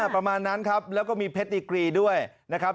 ประมาณนั้นครับแล้วก็มีเพชรดีกรีด้วยนะครับ